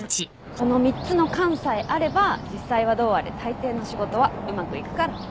この３つの「感」さえあれば実際はどうあれたいていの仕事はうまくいくから。